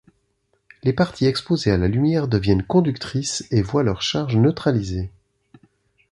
Les parties exposées à la lumière deviennent conductrices et voient leur charge neutralisée.